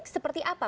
ini seperti apa